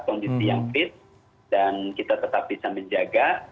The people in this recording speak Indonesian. kondisi yang fit dan kita tetap bisa menjaga